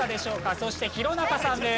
そして弘中さんです。